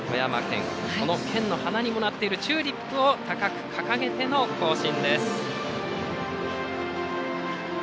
県の花にもなっているチューリップを高く掲げての行進です。